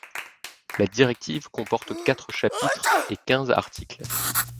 La directive comporte quatre chapitres et quinze articles.